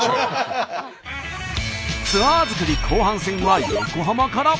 ツアー作り後半戦は横浜から。